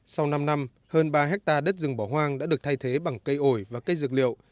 sau năm năm hơn ba hectare đất rừng bỏ hoang đã được thay thế bằng cây ổi và cây dược liệu